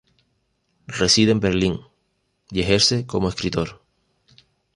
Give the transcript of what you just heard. Reside en Berlín y ejerce como escritor.